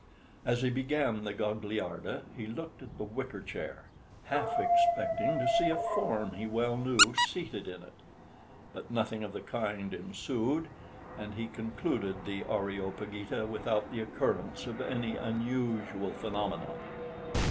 As he began the Gagliarda he looked at the wicker chair, half expecting to see a form he well knew seated in it; but nothing of the kind ensued, and he concluded the "Areopagita" without the occurrence of any unusual phenomenon.